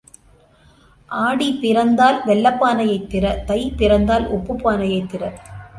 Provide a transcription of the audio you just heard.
ஆடி பிறந்தால் வெல்லப் பானையைத் திற தை பிறந்தால் உப்புப் பானையைத் திற.